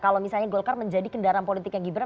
keberatan darah politiknya gibran